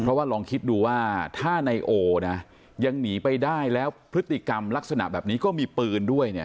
เพราะว่าลองคิดดูว่าถ้านายโอนะยังหนีไปได้แล้วพฤติกรรมลักษณะแบบนี้ก็มีปืนด้วยเนี่ย